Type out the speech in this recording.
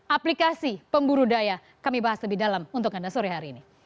aplikasi pemburu daya kami bahas lebih dalam untuk anda sore hari ini